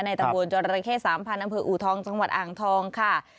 ในตังควรจรภัณฑ์เทศ๓พออูทองจังหวัดอ่างทองค่ะ